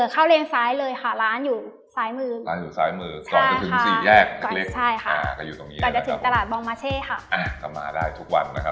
เข้าเลนสายเลยหาล้านอยู่ร้านอยู่ซ้ายมือค่ะกอโอ๑๙๙๒ของบ้าได้ทุกวันนะคะ